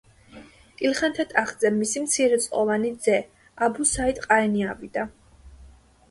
ილხანთა ტახტზე მისი მცირეწლოვანი ძე, აბუ საიდ ყაენი ავიდა.